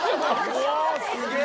うわすげぇ！